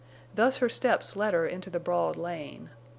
Thus her steps led her into the broad lane.